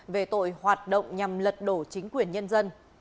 về tội hoạt động nhằm lật đổ chính quyền nhân dân